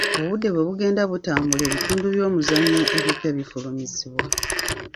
Obudde bwe bugenda butambula ebitundu by'omuzannyo ebipya bifulumizibwa.